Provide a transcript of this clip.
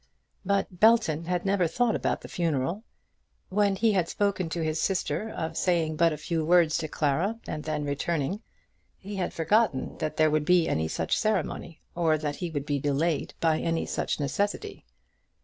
But Belton had never thought about the funeral. When he had spoken to his sister of saying but a few words to Clara and then returning, he had forgotten that there would be any such ceremony, or that he would be delayed by any such necessity.